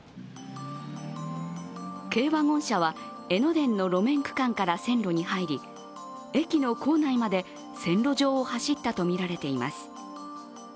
軽ワゴン車は江ノ電の路面区間から線路に入り、駅の構内まで線路上を走ったとみられています。